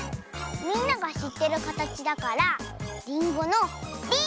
みんながしってるかたちだからりんごの「り」！